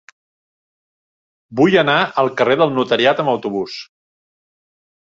Vull anar al carrer del Notariat amb autobús.